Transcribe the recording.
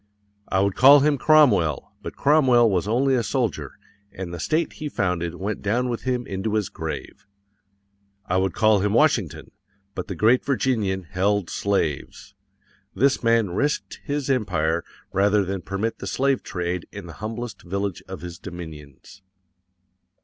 I WOULD CALL HIM CROMWELL,_ but Cromwell was only a soldier, and the state he founded went down with him into his grave. I WOULD CALL HIM WASHINGTON, but the great Virginian _held slaves. THIS MAN RISKED HIS EMPIRE rather than permit the slave trade in the humblest village of his dominions.